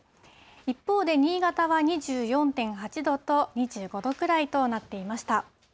一方で、新潟は２４．８度と、２５度くらいとなっていました。